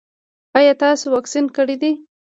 ایا تاسو واکسین کړی دی؟